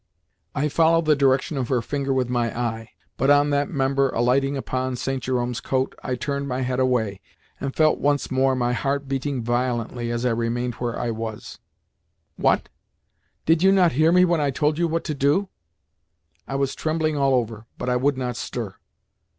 I followed the direction of her finger with my eye, but on that member alighting upon St. Jerome's coat, I turned my head away, and once more felt my heart beating violently as I remained where I was. "What? Did you not hear me when I told you what to do?" I was trembling all over, but I would not stir.